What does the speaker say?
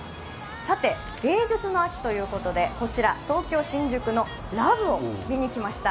さて芸術の秋ということでこちら、東京・新宿の「ＬＯＶＥ」を見に来ました。